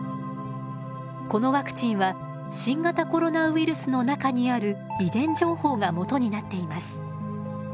このワクチンは新型コロナウイルスの中にある遺伝情報がもとになっています。